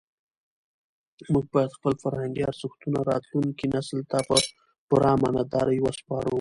موږ باید خپل فرهنګي ارزښتونه راتلونکي نسل ته په پوره امانتدارۍ وسپارو.